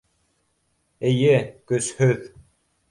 Эйе, көсһөҙ.